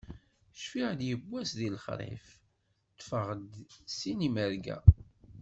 Cfiɣ yiwwas di lexrif, ṭṭfeɣ-d sin imerga.